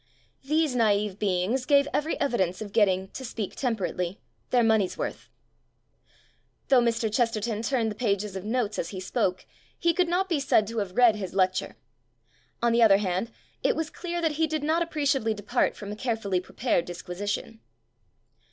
These naive beings gave every evi dence of getting, to speak temperately, their money's worth. Though Mr. Chesterton turned the pages of notes as he spoke, he could not be said to have read his lecture. On the other hand, it was clear that he did not appreciably depart from a carefully prepared disquisition.